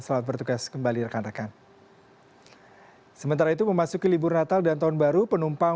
selamat bertugas kembali rekan rekan